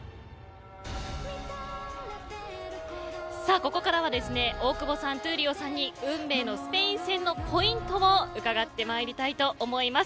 ここからは大久保さん闘莉王さんに運命のスペイン戦のポイントを伺ってまいりたいと思います。